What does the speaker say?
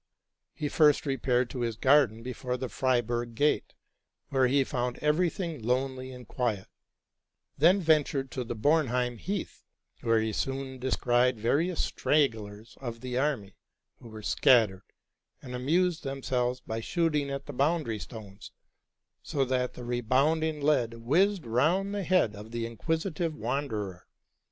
He first repaired to his garden before the Friedberg gate, where he found every thing lonely and quiet ; then ventured to the Bornheim heath, where he soon de scried various stragglers of the army, who were scattered, and amused themselves by shooting at the boundary stones, so that the rebounding lead whizzed round the head of the inquisitive wanderer.